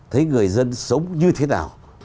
thấy người dân sống như thế nào